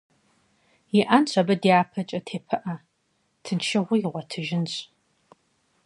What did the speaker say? Иӏэнщ абы дяпэкӏэ тепыӏэ, тыншыгъуи игъуэтыжынщ.